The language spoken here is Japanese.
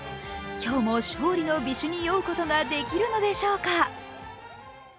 今日も勝利の美酒に酔うことができるのでしょうか。